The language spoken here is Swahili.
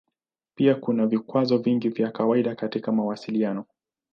Pia kuna vikwazo vingi vya kawaida katika mawasiliano.